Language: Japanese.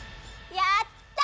やった！